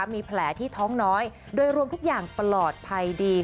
มีแผลที่ท้องน้อยโดยรวมทุกอย่างปลอดภัยดี